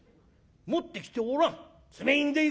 持ってきておらん？